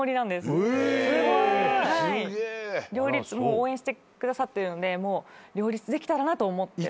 応援してくださってるので両立できたらなと思ってます。